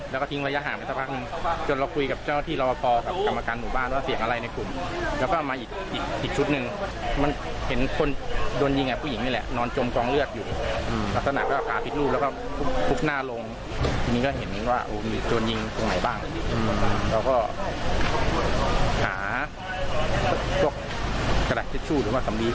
แล้วพอหากระแกรดชิดชู้หรือว่าทำมีผูดแผลว่ะแล้วพอ